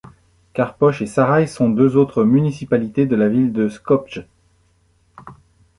Karpoch et Saraï sont deux autres municipalités de la ville de Skopje.